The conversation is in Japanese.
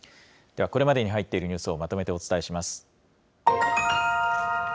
ではこれまでに入っているニュースをまとめてお伝えします。